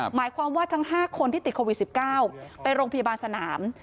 หมายความว่าทั้ง๕คนที่ติดโควิด๑๙ไปโรงพยาบาลสนาม